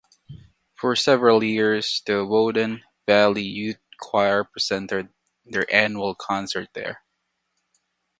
For several years the Woden Valley Youth Choir presented their annual concert there.